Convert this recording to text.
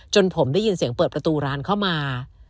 ผมได้ยินเสียงเปิดประตูร้านเข้ามา